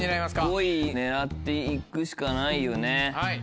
５位狙って行くしかないよね。